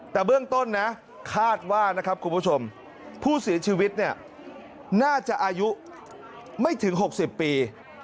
แต่เบื่องต้นน่ะคาดว่าผู้สีชีวิตน่าจะอายุไม่ถึง๖๐ปี